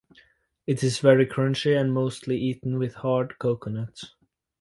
It is very crunchy and mostly eaten with hard coconut.